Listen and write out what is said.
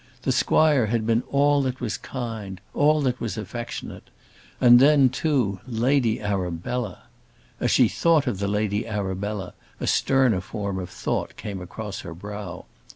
The squire had been all that was kind, all that was affectionate. And then, too, Lady Arabella! As she thought of the Lady Arabella a sterner form of thought came across her brow.